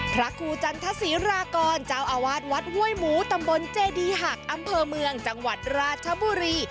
พระครูจันทศิรากรเจ้าอาวาสวัดห้วยหมูตำบลเจดีหักอำเภอเมืองจังหวัดราชบุรี